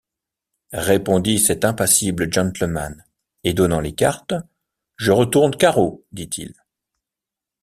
répondit cet impassible gentleman, et donnant les cartes: « Je retourne carreau, dit-il.